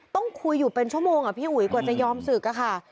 ต้องคุยอยู่เป็นชั่วโมงอะพี่อุ๋ยกว่าจะยอมศึกอะค่ะ